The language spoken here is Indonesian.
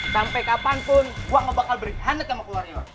sampe kapanpun gue gak bakal berikhanet sama keluar walior